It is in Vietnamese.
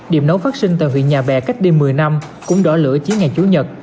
điểm nấu phát sinh tại huyện nhà bè cách đi một mươi năm cũng đỏ lửa chiếc ngày chú nhật